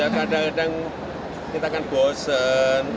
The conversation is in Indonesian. kita kan bosen